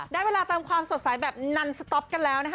ได้เวลาตามความสดใสแบบนันสต๊อปกันแล้วนะคะ